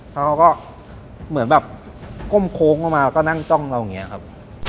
แล้วเขาก็เหมือนแบบก้มโค้งลงมาก็นั่งจ้องเราอย่างนี้ครับ